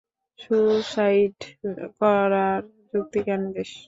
Suicide করার যুক্তি কেন দেস?